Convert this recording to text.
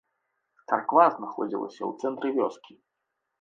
Царква знаходзілася ў цэнтры вёскі.